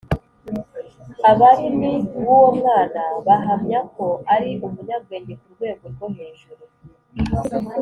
abarimi b’uwo mwana bahamya ko ari umunyabwenge ku rwego rwo hejuru